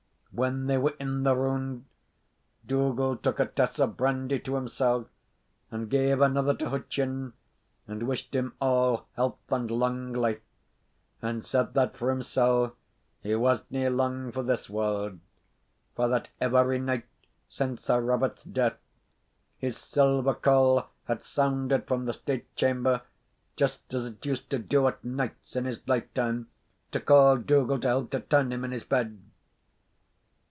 When they were in the round, Dougal took a tass of brandy to himsell, and gave another to Hutcheon, and wished him all health and lang life, and said that, for himsell, he wasna lang for this warld; for that every night since Sir Robert's death his silver call had sounded from the state chamber just as it used to do at nights in his lifetime to call Dougal to help to turn him in his bed.